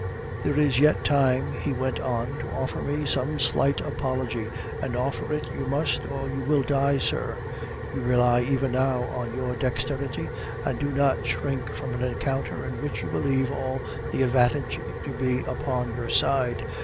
"There is yet time," he went on, "to offer me some slight apology; and offer it you must, or you will die sir! You rely even now on your dexterity, and do not shrink from an encounter in which you believe all the advantage to be upon your side.